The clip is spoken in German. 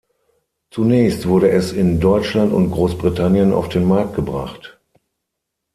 Zunächst wurde es in Deutschland und Großbritannien auf den Markt gebracht.